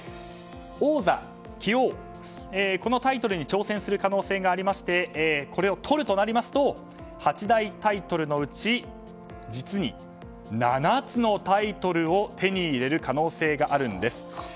王座、棋王、このタイトルに挑戦する可能性がありましてこれをとるとなりますと八大タイトルのうち実に７つのタイトルを手に入れる可能性があるんです。